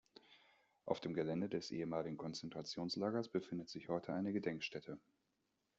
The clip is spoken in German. Auf dem Gelände des ehemaligen Konzentrationslagers befindet sich heute eine Gedenkstätte.